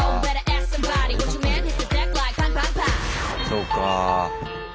そうか。